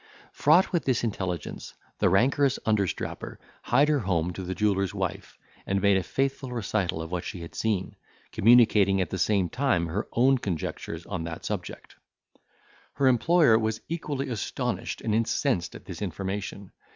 Fraught with this intelligence, the rancorous understrapper hied her home to the jeweller's wife, and made a faithful recital of what she had seen, communicating at the same time her own conjectures on that subject. Her employer was equally astonished and incensed at this information.